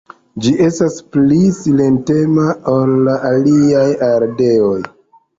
Ĝi estas pli silentema ol la aliaj ardeoj.